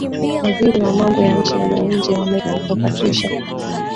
waziri wa mambo ya nchi za nje wa mexico patricia